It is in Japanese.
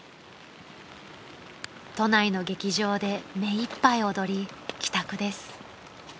［都内の劇場で目いっぱい踊り帰宅です］